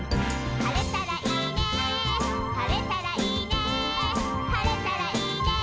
「晴れたらいいね晴れたらいいね」